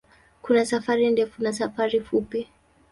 Kuna safari ndefu na safari fupi.